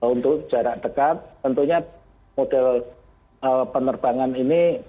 untuk jarak dekat tentunya model penerbangan ini